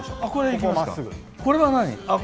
これは何？